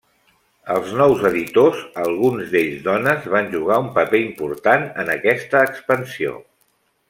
Els nous editors, alguns d'ells dones, van jugar un paper important en aquesta expansió.